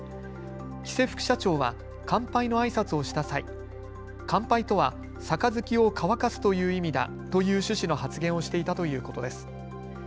喜勢副社長は乾杯のあいさつをした際、乾杯とは杯を乾かすという意味だという趣旨の発言をしていたということです。